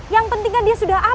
yang pentingnya dia marahan